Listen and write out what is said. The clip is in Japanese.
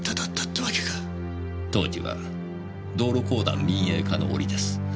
当時は道路公団民営化の折です。